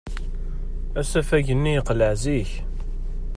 Asafag-nni yeqleɛ zik.